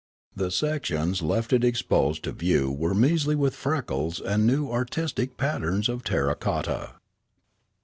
The sections it left exposed to view were measly with freckles and new artistic patterns in terra cotta.